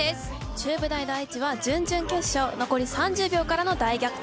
中部第一は準々決勝残り３０秒からの大逆転。